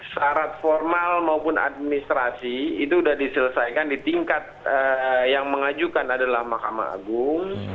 syarat formal maupun administrasi itu sudah diselesaikan di tingkat yang mengajukan adalah mahkamah agung